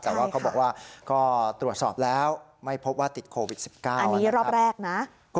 แต่ว่าเขาบอกว่าก็ตรวจสอบแล้วไม่พบว่าติดโควิด๑๙อันนี้รอบแรกนะ